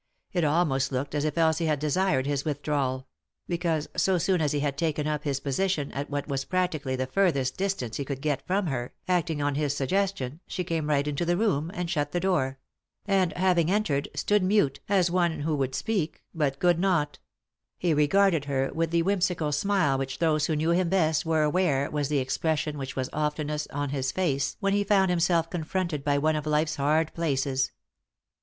It almost looked as if Elsie had desired his withdrawal ; because so soon as he had taken up his position at what was practically the furthest distance he could get from her, acting on his suggestion, she came right into the room, and shut the door — and, having entered, stood mute, as one who would speak, but could not He regarded her with the whimsical smile which those who knew him best were aware was the expression which was oftenest on his face when he found himself confronted by one of life's hard places.